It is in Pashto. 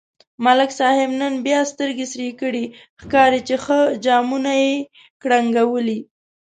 ملک صاحب نن بیا سترگې سرې کړي، ښکاري چې ښه جامونه یې کړنگولي.